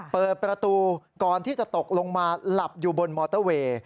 เปิดประตูก่อนที่จะตกลงมาหลับอยู่บนมอเตอร์เวย์